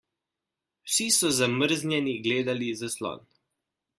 Vsi so zamrznjeni gledali zaslon.